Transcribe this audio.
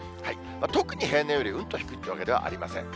特に平年よりうんと低いというわけではありません。